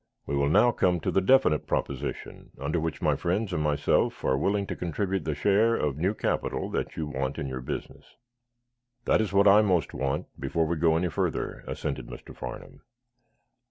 We will now come to the definite proposition under which my friends and myself are willing to contribute the share of new capital that you want in your business." "That is what I most want, before we go any further," assented Mr. Farnum.